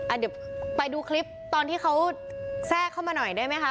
เดี๋ยวไปดูคลิปตอนที่เขาแทรกเข้ามาหน่อยได้ไหมคะ